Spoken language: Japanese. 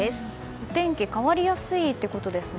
お天気変わりやすいということですね。